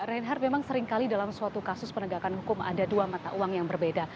reinhardt memang seringkali dalam suatu kasus penegakan hukum ada dua mata uang yang berbeda